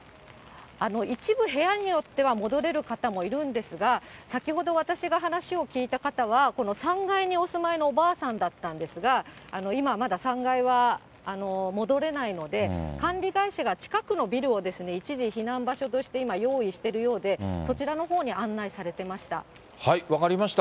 一部部屋によっては、戻れる方もいるんですが、先ほど私が話を聞いた方は、この３階にお住まいのおばあさんだったんですが、今はまだ、３階は戻れないので、管理会社が近くのビルを一時避難場所として今、用意しているようで、そちらのほうに案内されてました。